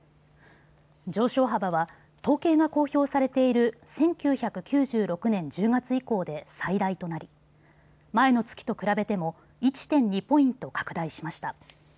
上昇幅は統計が公表されている１９９６年１０月以降で最大となり前の月と比べても１．２ポイント拡大しました。